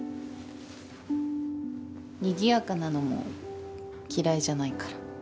にぎやかなのも嫌いじゃないから。